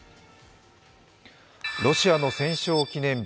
ロシアの戦勝記念日